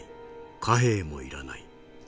貨幣も要らない。